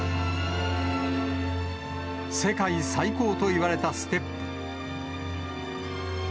世界最高といわれたステップ。